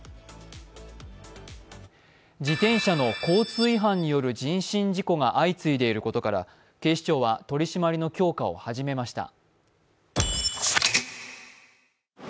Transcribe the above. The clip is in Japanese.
自転車の交通違反による人身事故が相次いでいることから警視庁は取り締まりの強化を始めました。